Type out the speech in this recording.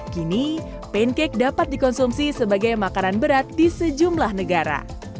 kini pancake dapat dikonsumsi sebagai makanan berat di sejumlahnya